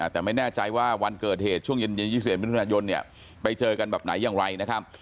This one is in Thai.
แต่ไม่แน่ใจว่าวันเกิดเหตุช่วงเย็น๒๑มิถุนายนเนี่ยไปเจอกันแบบไหนอย่างไรนะครับ